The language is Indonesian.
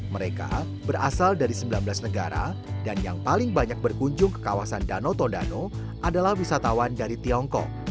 mereka berasal dari sembilan belas negara dan yang paling banyak berkunjung ke kawasan danau tondano adalah wisatawan dari tiongkok